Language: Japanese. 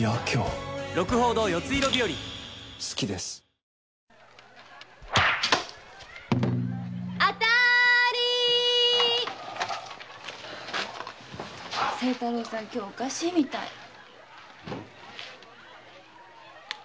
今日おかしいみたい。